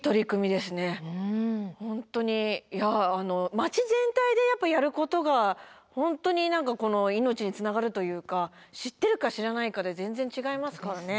町全体でやることが本当に命につながるというか知ってるか知らないかで全然違いますからね。